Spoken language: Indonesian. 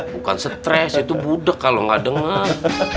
bukan stres itu budek kalau nggak dengar